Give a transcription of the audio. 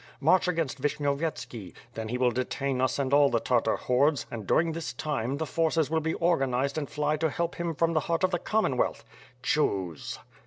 March against Vishnyov yetski. Then he will detain us and all the Tartar hordes and, during this time, the forces will be organized and fly to help him from the heart of the Commonwealth. Choose!